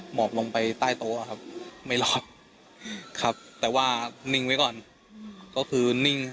หมอกลงไปใต้โต๊ะครับไม่รอดครับแต่ว่านิ่งไว้ก่อนก็คือนิ่ง